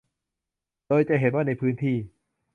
โดยจะเห็นว่าในพื้นที่